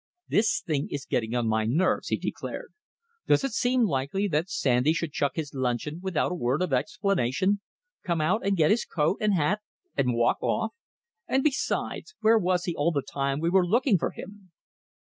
"This thing is getting on my nerves," he declared. "Does it seem likely that Sandy should chuck his luncheon without a word of explanation, come out and get his coat and hat and walk off? And, besides, where was he all the time we were looking for him?"